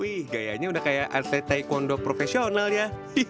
wih gayanya udah kayak atlet taekwondo profesional ya